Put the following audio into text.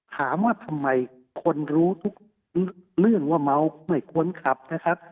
ถามว่าทำไมคนรู้ทุกเรื่องว่าเมาไม่ควรขับนะครับ